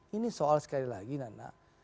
ini soal sekali lagi nana